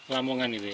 lamongan itu ya